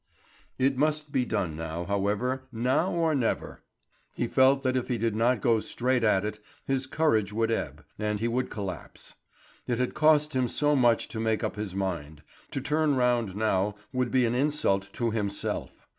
It must be done now, however, now or never. He felt that if he did not go straight at it, his courage would ebb, and he would collapse. It had cost him so much to make up his mind; to turn round now would be an insult to himself.